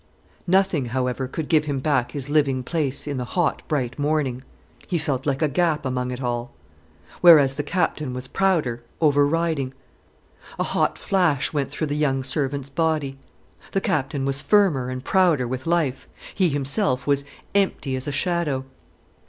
Nothing, however, could give him back his living place in the hot, bright morning. He felt like a gap among it all. Whereas the Captain was prouder, overriding. A hot flash went through the young servant's body. The Captain was firmer and prouder with life, he himself was empty as a shadow.